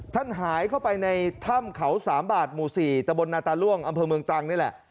หายเข้าไปในถ้ำเขาสามบาทหมู่๔ตะบนนาตาล่วงอำเภอเมืองตรังนี่แหละ